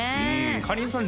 かりんさん